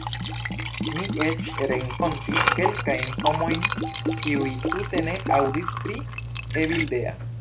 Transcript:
Mi eĉ renkontis kelkajn homojn kiuj tute ne aŭdis pri Evildea.